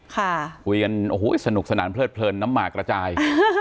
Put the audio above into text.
เวียนโอ้โหสนุกสนานเพลิดเพลินน้ำหมากกระจาย